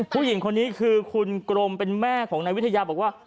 ผู้หญิงคนนี้คือคุณกรมเป็นแม่ของนายวิทยาบอกว่า